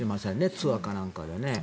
ツアーかなんかでね。